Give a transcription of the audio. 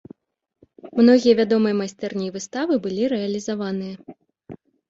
Многія вядомыя майстэрні і выставы былі рэалізаваныя.